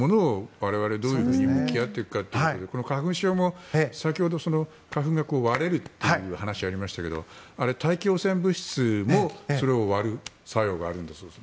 我々がどう向き合っていくかというところで花粉症も先ほど花粉が割れるという話がありましたけどあれ、大気汚染物質も割る作用があるんだそうです。